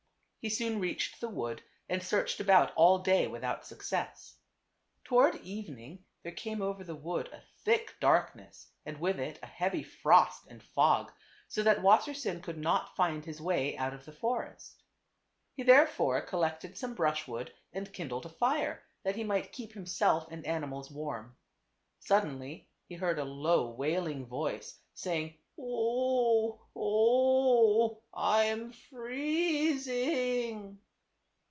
He soon reached the wood and searched about all day without success. Toward evening there ybe came over the wood a thick dark (Beme ness and with it a heavy frost and fog, so that Wassersein could not find his way out of the forest. He therefore collected some brushwood and kindled a fire, that he might keep himself and animals warm. Suddenly he heard a low, wailing voice, saying, " O oh, o oh ! I am freez ing."